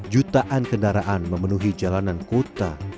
jutaan kendaraan memenuhi jalanan kota